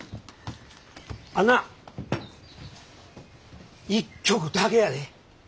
あんな１曲だけやで。